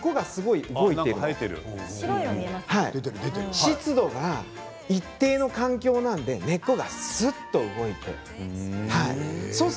湿度が一定の環境なので根っこがすっと出てくるんです